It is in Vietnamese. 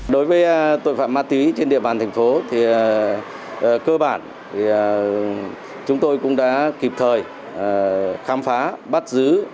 đối với tội phạm ma túy trên địa bàn thành phố thì cơ bản chúng tôi cũng đã kịp thời khám phá bắt giữ